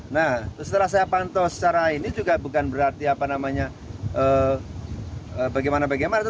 nah setelah saya pantau secara ini juga bukan berarti apa namanya bagaimana bagaimana